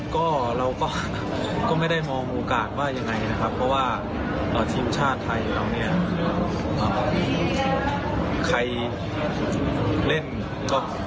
ก็เราก็ไม่ได้มองโอกาสว่ายังไงนะครับ